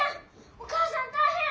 お母さん大変！